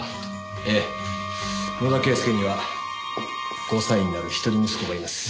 ええ野田啓介には５歳になる一人息子がいます。